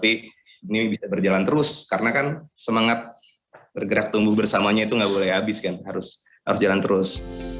ini bisa berjalan terus karena kan semangat bergerak tumbuh bersamanya itu nggak boleh habis kan harus jalan terus